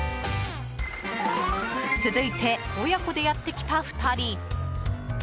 続いて、親子でやってきた２人。